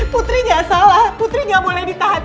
putri gak salah putri gak boleh ditahan